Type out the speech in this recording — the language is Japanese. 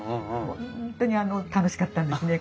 本当に楽しかったんですね。